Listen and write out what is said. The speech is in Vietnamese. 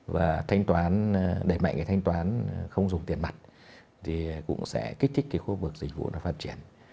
và đẩy mạnh cái thanh toán không dùng tiền mặt thì cũng sẽ kích thích cái khu vực dịch vụ phát triển